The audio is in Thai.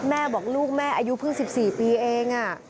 แม่บอกลูกแม่อายุเพิ่ง๑๔ปีเอง